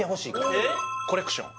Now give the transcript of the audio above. コレクション